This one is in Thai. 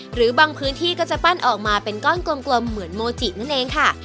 หรือบางพื้นที่ก็จะปั้นออกมาเป็นก้อนกลมเหมือนโมจินั่นเองค่ะ